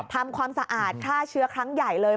ทำความสะอาดฆ่าเชื้อครั้งใหญ่เลย